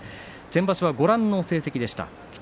先場所はご覧の成績です。